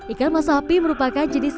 ikan masapi merupakan jenis